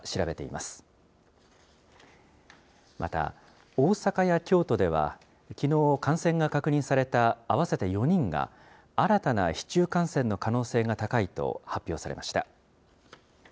また、大阪や京都では、きのう、感染が確認された合わせて４人が、新たな市中感染の可能性が高いと発表されました。